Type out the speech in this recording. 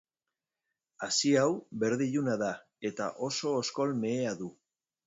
Hazi hau berde iluna da eta oso oskol mehea du.